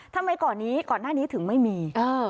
ทำไมก่อนหน้านี้ถึงไม่มี